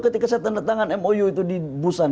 ketika saya tanda tangan mou itu di busan